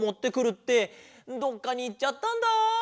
ってどっかにいっちゃったんだ。